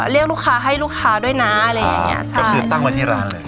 เรียกลูกค้าให้ลูกค้าด้วยนะอะไรอย่างเงี้ยใช่ก็คือตั้งไว้ที่ร้านเลย